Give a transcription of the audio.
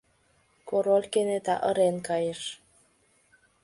Король кенета ырен кайыш.